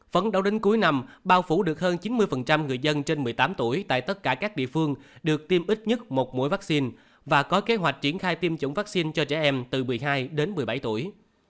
phấn đấu đến cuối năm bao phủ được hơn chín mươi người dân trên một mươi tám tuổi tại tất cả các địa phương được tiêm ít nhất một mũi vaccine và có kế hoạch triển khai tiêm chủng vaccine cho trẻ em từ một mươi hai đến một mươi bảy tuổi